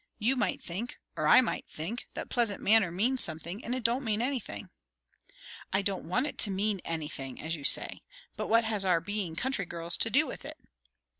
You might think or I might think that pleasant manner means something; and it don't mean anything." "I don't want it to 'mean anything,' as you say; but what has our being country girls to do with it?"